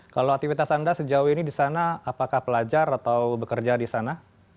kalau aktivitas anda sejauh ini di sana apakah pelajar atau bekerja di sana